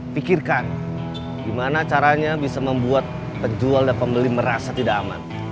pikirkan gimana caranya bisa membuat penjual dan pembeli merasa tidak aman